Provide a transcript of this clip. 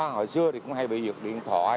hồi xưa thì cũng hay bị